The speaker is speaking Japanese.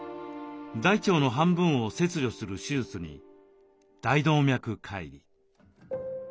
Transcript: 大腸の半分を切除する手術に大動脈かい離。